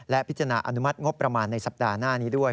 และพิจารณาอนุมัติงบประมาณในสัปดาห์หน้านี้ด้วย